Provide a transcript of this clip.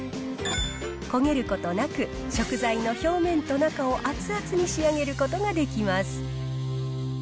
焦げることなく、食材の表面と中を熱々に仕上げることができます。